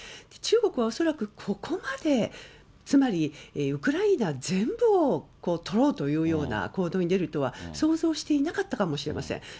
中国は恐らく、ここまで、つまりウクライナ全部を取ろうというような行動に出るとは想像していなかったかもしれません。